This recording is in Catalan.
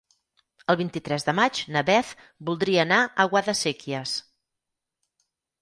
El vint-i-tres de maig na Beth voldria anar a Guadasséquies.